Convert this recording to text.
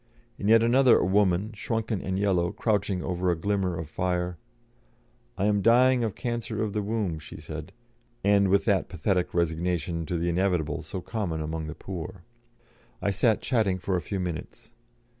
In yet another a woman, shrunken and yellow, crouched over a glimmer of fire; "I am dying of cancer of the womb," she said, with that pathetic resignation to the inevitable so common among the poor. I sat chatting for a few minutes.